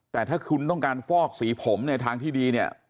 แต่ถ้าคุณต้องการฟอกสีผมในทางที่ดีเนี่ย